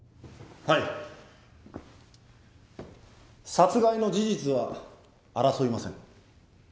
殺害の事実は争いません。